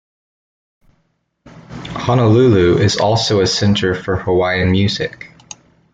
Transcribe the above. Honolulu is also a center for Hawaiian music.